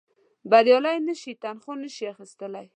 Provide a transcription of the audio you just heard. بریالي نه شي تنخوا نه شي اخیستلای.